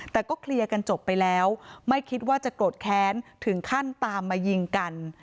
แต่ก็เคลียร์กันจบไปแล้วไม่คิดว่าจะโกรธแค้นถึงขั้นตามมายิงกัน